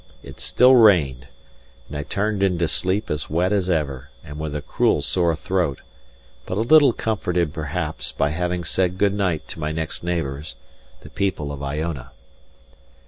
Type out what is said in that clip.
It still rained, and I turned in to sleep, as wet as ever, and with a cruel sore throat, but a little comforted, perhaps, by having said good night to my next neighbours, the people of Iona.